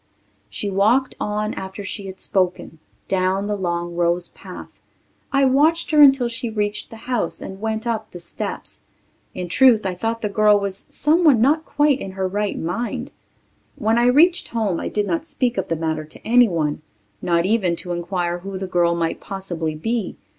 She walked on after she had spoken, down the long rose path. I watched her until she reached the house and went up the steps. In truth I thought the girl was someone not quite in her right mind. When I reached home I did not speak of the matter to anyone, not even to inquire who the girl might possibly be.